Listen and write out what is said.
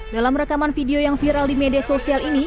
dalam rekaman video yang viral di media sosial ini